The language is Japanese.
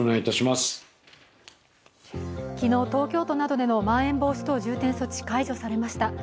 昨日、東京都などでのまん延防止等重点措置、解除されました。